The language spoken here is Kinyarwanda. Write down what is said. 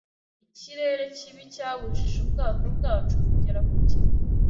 Ikirere kibi cyabujije ubwato bwacu kugera ku gihe.